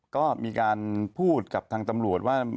ก็มีการพูดกับทางตำรวจว่า